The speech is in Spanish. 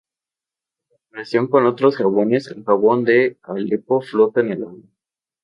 En comparación con otros jabones el jabón de Alepo flota en el agua.